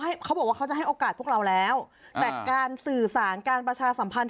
แต่การสื่อสารการประชาสัมพันธ์